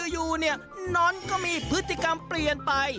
อยู่นอนก็มีพฤติกรรมเปลี่ยนไป